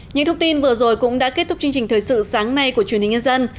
những thông tin vừa rồi cũng đã kết thúc chương trình thời sự sáng nay của truyền hình nhân dân